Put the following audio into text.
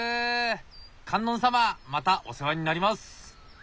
観音様またお世話になります。